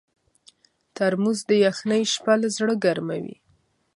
ترموز د یخنۍ شپه له زړه ګرمووي.